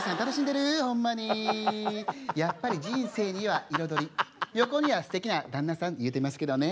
やっぱり人生には彩り横にはすてきな旦那さんって言うてますけどね。